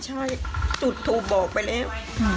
ใช่จุดโทรบอกไปแล้ว